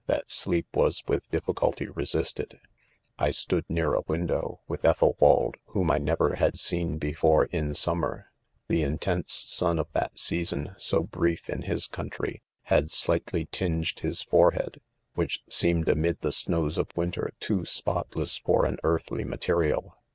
that, sleep was with difficulty resisted* & I stood, near a window,, with Ethelwsld 2 whom I .never rhad seen befoie in summer*— The . intense sua of ■ that season, so brief in Ills country, had slightly tinged his forehead, which seemed amid the snows of winter too spotless for an earthly material.